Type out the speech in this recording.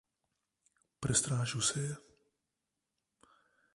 Prestrašil se je.